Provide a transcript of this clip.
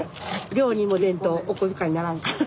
漁にも出んとお小遣いならんから。